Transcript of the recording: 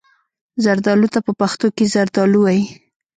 زردالو ته په پښتو کې زردالو وايي.